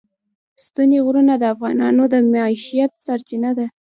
ستوني غرونه د افغانانو د معیشت سرچینه ده.